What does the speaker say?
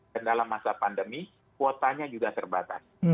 dan dalam masa pandemi kuotanya juga terbatas